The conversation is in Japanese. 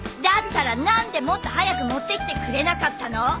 だったら何でもっと早く持ってきてくれなかったの？